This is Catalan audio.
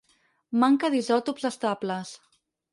Manca d'isòtops estables.